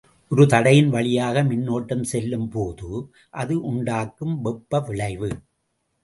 ஒரு தடையின் வழியாக மின்னோட்டம் செல்லும் போது, அது உண்டாக்கும் வெப்ப விளைவு.